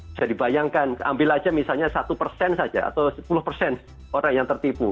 bisa dibayangkan ambil saja misalnya satu persen saja atau sepuluh persen orang yang tertipu